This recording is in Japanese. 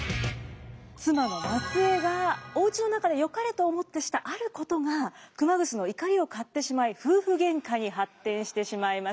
妻の松枝がおうちの中でよかれと思ってしたあることが熊楠の怒りを買ってしまい夫婦喧嘩に発展してしまいました。